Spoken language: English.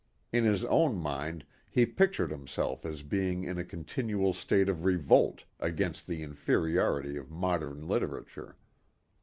In his own mind he pictured himself as being in a continual state of revolt against the inferiority of modern literature.